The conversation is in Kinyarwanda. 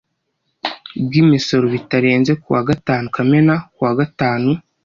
bw Imisoro bitarenze ku wa gatanu Kamena ku wa gatanu